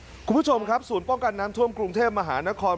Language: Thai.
คุณผู้ชมครับศูนย์ป้องกันน้ำท่วมกรุงเทพมหานคร